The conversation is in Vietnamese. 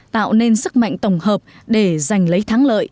tạo nên sức mạnh tổng hợp để giành lấy thắng lợi